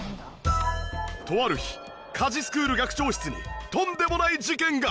とある日家事スクール学長室にとんでもない事件が！